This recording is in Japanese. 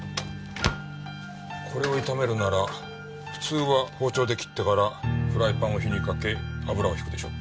これを炒めるなら普通は包丁で切ってからフライパンを火にかけ油を引くでしょう。